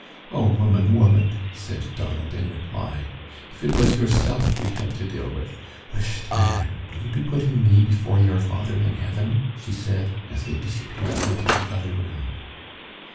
"Oh, woman, woman!" said Donald in reply, "if it was yourself we had to deal with " "Whisht, man! Will you be putting me before your Father in heaven?" she said, as they disappeared into the other room.